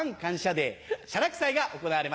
デー謝楽祭が行われます。